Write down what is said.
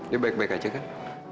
ya baik baik aja kan